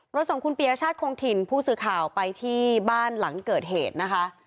ส่งคุณปียชาติคงถิ่นผู้สื่อข่าวไปที่บ้านหลังเกิดเหตุนะคะ